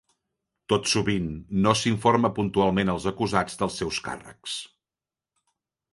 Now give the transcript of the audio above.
Tot sovint, no s'informa puntualment als acusats dels seus càrrecs.